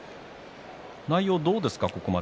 内容はどうですか。